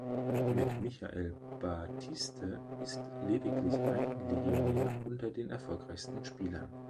Mit Michael Batiste ist lediglich ein Legionär unter den erfolgreichsten Spielern.